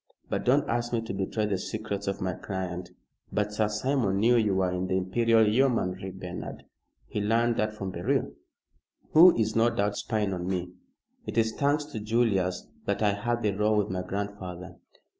But don't ask me to betray the secrets of my client. But Sir Simon knew you were in the Imperial Yeomanry, Bernard. He learned that from Beryl." "Who is, no doubt, spying on me. It is thanks to Julius that I had the row with my grandfather.